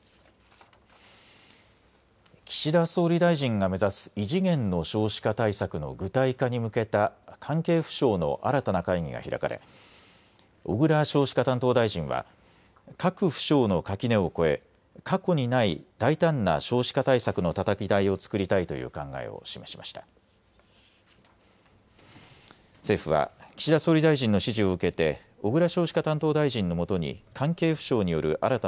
岸田総理大臣が目指す異次元の少子化対策の具体化に向けた関係府省の新たな会議が開かれ小倉少子化担当大臣は各府省の垣根を越え、過去にない大胆な少子化対策のたたき台を作りたいという考えを示しました。